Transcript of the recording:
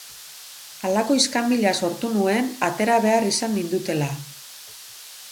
Halako iskanbila sortu nuen, atera behar izan nindutela.